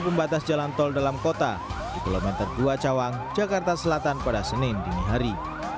pembatas jalan tol dalam kota di pulau menter dua cawang jakarta selatan pada senin dinihari